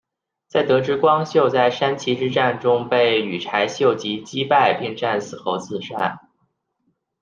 在得知光秀在山崎之战中被羽柴秀吉击败并战死后自杀。